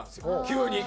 急に。